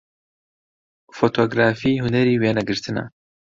فۆتۆگرافی هونەری وێنەگرتنە